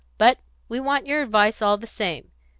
"But we want your advice all the same.